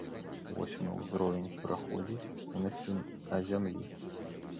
Восьмы ўзровень праходзіць поўнасцю на зямлі.